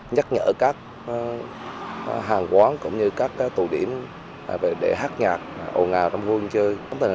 nhắc nhở các hàng quán cũng như các tù điểm để hát nhạc ồn ào trong khuôn chơi